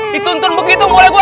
dituntun begitu boleh gue